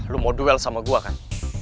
lu mau duel sama gua kan